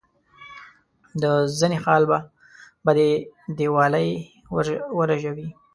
د زنه خال به دي دیوالۍ ورژوي.